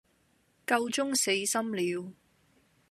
夠鐘死心了